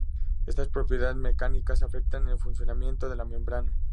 Estas propiedades mecánicas afectan en el funcionamiento de la membrana.